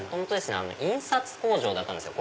印刷工場だったんですよ